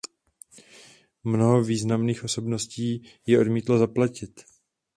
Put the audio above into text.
Mnoho významných osobností ji odmítlo zaplatit.